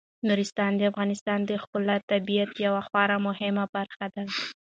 نورستان د افغانستان د ښکلي طبیعت یوه خورا مهمه برخه ده.